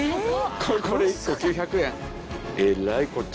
これ１個９００円。